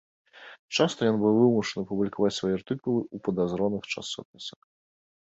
Часта ён быў вымушаны публікаваць свае артыкулы ў падазроных часопісах.